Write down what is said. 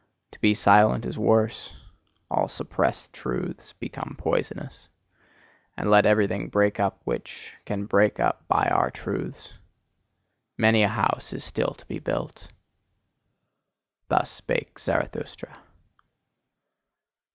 To be silent is worse; all suppressed truths become poisonous. And let everything break up which can break up by our truths! Many a house is still to be built! Thus spake Zarathustra.